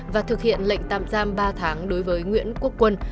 và thực hiện lệnh tạm giam ba tháng đối với nguyễn quốc quân